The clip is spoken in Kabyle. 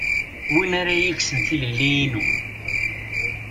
Win ara iyi-ikksen tilelli-inu.